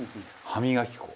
歯磨き粉？